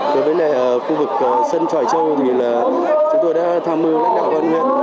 đối với khu vực sơn chỏi châu thì chúng tôi đã tham mưu lãnh đạo công an huyện